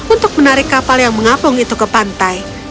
untuk menarik kapal yang mengapung itu ke pantai